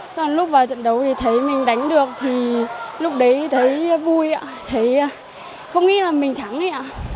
xong lúc vào trận đấu thì thấy mình đánh được thì lúc đấy thấy